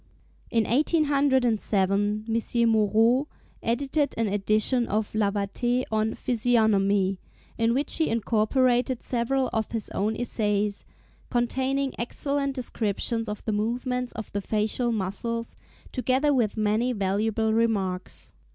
In 1807 M. Moreau edited an edition of Lavater on Physiognomy, in which he incorporated several of his own essays, containing excellent descriptions of the movements of the facial muscles, together with many valuable remarks.